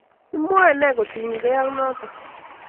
imwoe nee kotinykei ak noto?